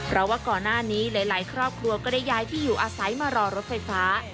เพราะว่าก่อนหน้านี้หลายครอบครัวก็ได้ย้ายที่อยู่อาศัยมารอรถไฟฟ้า